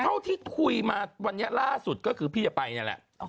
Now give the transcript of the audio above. เท่าที่คุยมาวันนี้ล่าสุดก็คือพี่จะไปนั่นแหละ